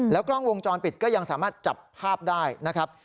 กล้องวงจรปิดก็ยังสามารถจับภาพได้นะครับ